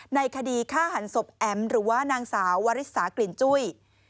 ในคดีฆ่าหันศพแอ๋มหรือว่านางสาววาริสากลิ่นจุ้ย